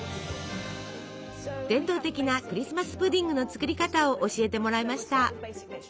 伝統的なクリスマス・プディングの作り方を教えてもらいました。